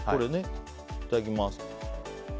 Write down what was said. いただきます。